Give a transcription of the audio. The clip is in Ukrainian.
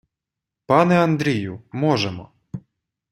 Пане Андрію, можемо.